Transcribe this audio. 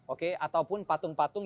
oke ataupun patung patung